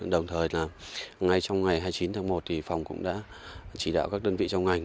đồng thời là ngay trong ngày hai mươi chín tháng một thì phòng cũng đã chỉ đạo các đơn vị trong ngành